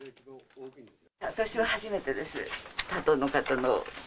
私は初めてです。